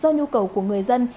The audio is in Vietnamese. do nhu cầu của người dân